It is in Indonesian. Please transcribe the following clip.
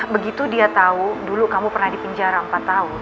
begitu dia tahu dulu kamu pernah dipenjara empat tahun